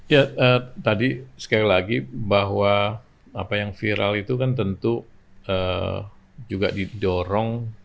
ya tadi sekali lagi bahwa apa yang viral itu kan tentu juga didorong